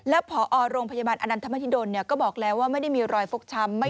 แล้วพอโรงพยาบาลอนันทมหิดลก็บอกแล้วว่าไม่ได้มีรอยฟกช้ำ